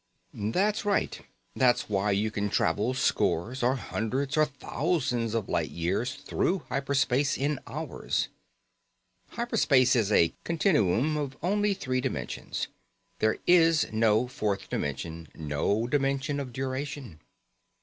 "That's right. That's why you can travel scores or hundreds or thousands of light years through hyper space in hours. Hyper space is a continuum of only three dimensions. There is no fourth dimension, no dimension of duration."